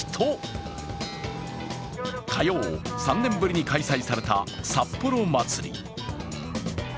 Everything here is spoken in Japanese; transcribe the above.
火曜、３年ぶりに開催された札幌まつり。